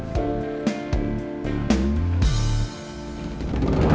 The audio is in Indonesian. saya tunggu sini ya